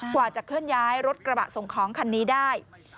กว่าจะเคลื่อนย้ายรถกระบะส่งของคันนี้ได้